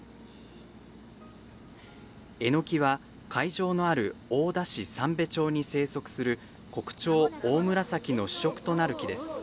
エノキは会場のある大田市三瓶町に生息する国蝶オオムラサキの主食となる木です。